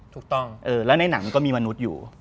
ถูกต้องแล้วในหนังมันก็มีมนุษย์อยู่